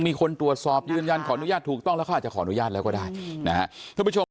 ผมคิดว่าเรื่องขอหวยไม่อย่างกับมันก็มีทีมเหมือนแหละเนอะไม่ไง